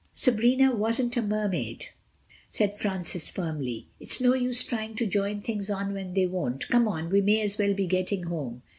"Sabrina wasn't a Mermaid," said Francis firmly. "It's no use trying to join things on when they won't. Come on, we may as well be getting home."